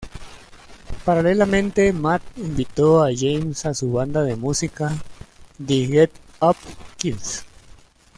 Paralelamente Matt invitó a James a su banda de música The Get Up Kids.